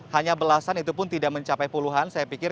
hanya belasan itu pun tidak mencapai puluhan saya pikir